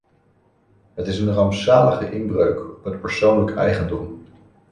Het is een rampzalige inbreuk op het persoonlijk eigendom.